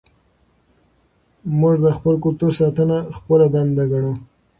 موږ د خپل کلتور ساتنه خپله دنده ګڼو.